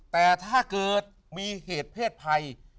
แต่ถ้าเกิดมีเหตุเพศภัย